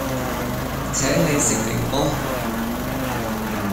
請你食檸檬